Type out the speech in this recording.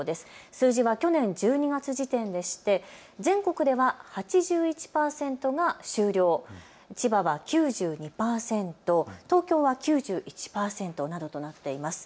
数字は去年１２月時点でして全国では８１％が終了、千葉は９２％、東京は９１％などとなっています。